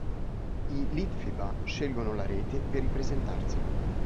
I Litfiba scelgono la rete per ripresentarsi.